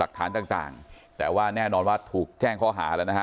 ฐานต่างแต่ว่าแน่นอนว่าถูกแจ้งข้อหาแล้วนะฮะ